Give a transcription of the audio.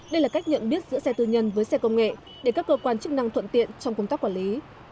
đây là cách nhận biết giữa xe tư nhân với xe công nghệ để các cơ quan chức năng thuận tiện trong công tác quản lý